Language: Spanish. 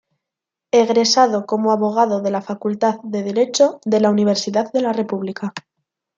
Egresado como abogado de Facultad de Derecho de la Universidad de la República.